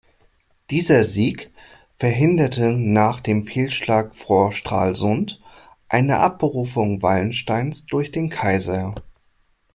Dieser Sieg verhinderte nach dem Fehlschlag vor Stralsund eine Abberufung Wallensteins durch den Kaiser.